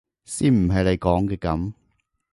先唔係你講嘅噉！